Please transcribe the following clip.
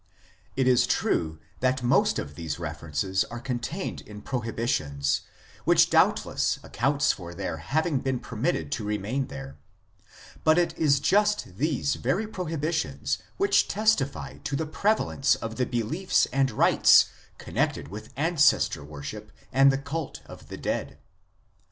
It is true that most of these references are contained in prohibitions, which doubtless accounts for their having been permitted to remain there ; but it is just these very prohibitions which testify to the prevalence of the beliefs and rites connected with Ancestor worship and the Cult of the Dead.